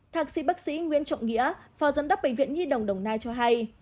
thạc sĩ bác sĩ nguyễn trọng nghĩa phó giám đốc bệnh viện nhi đồng đồng nai cho hay